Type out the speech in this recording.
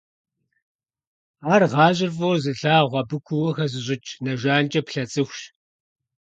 Ар гъащӀэр фӀыуэ зылъагъу, абы куууэ хэзыщӀыкӀ, нэ жанкӀэ плъэ цӀыхущ.